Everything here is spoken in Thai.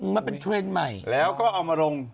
มาเป็นเทรนด์ไม่อ่ะ๑นิ้วแล้วก็นำมันมาลง